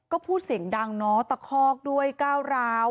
ก็พูดเสียงดังเนาะตะคอกด้วยก้าวร้าว